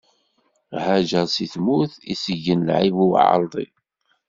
Hajeṛ si tmurt itegen lɛib i uɛeṛḍi.